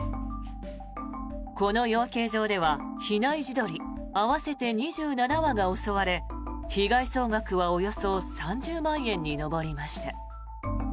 この養鶏場では比内地鶏合わせて２７羽が襲われ被害総額はおよそ３０万円に上りました。